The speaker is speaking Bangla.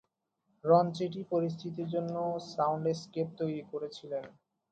রঞ্চেটি পরিস্থিতির জন্য সাউন্ডস্কেপ তৈরি করেছিলেন।